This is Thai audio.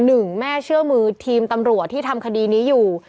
หนึ่งแม่เชื่อมือทีมตำรวจที่ทำคดีนี้อยู่